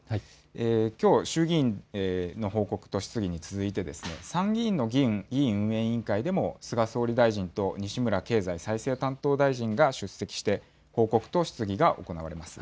きょう、衆議院の報告と質疑に続いて、参議院の議院運営委員会でも菅総理大臣と西村経済再生担当大臣が出席して、報告と質疑が行われます。